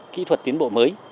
kỹ thuật tiến bộ mới